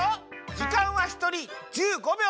じかんはひとり１５びょうです。